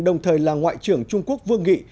đồng thời là ngoại trưởng trung quốc vương nghị